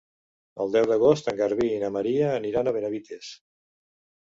El deu d'agost en Garbí i na Maria aniran a Benavites.